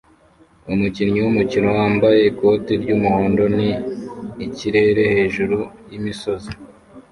Umukinnyi wumukino wambaye ikoti ry'umuhondo ni ikirere hejuru yimisozi